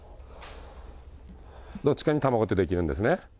どっちかに卵ってできるんですね。